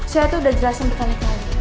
saya tuh udah jelasin berkali kali